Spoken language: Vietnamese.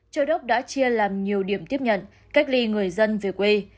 châu đốc đã chia làm nhiều điểm tiếp nhận cách ly người dân về quê